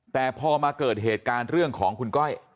แต่พอมาเกิดเหตุการณ์เรื่องของคุณก้อย